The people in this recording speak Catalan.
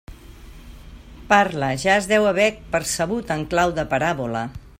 Parle, ja es deu haver percebut, en clau de paràbola.